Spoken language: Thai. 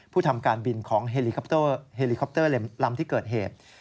ผู้ทำการบินของเฮลีคอปเตอร์ลำที่เกิดเหตุ